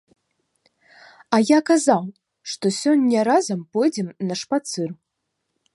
А я казаў, што сёння разам пойдзем на шпацыр.